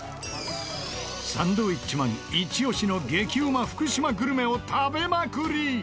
サンドウィッチマンイチ押しの激うま福島グルメを食べまくり！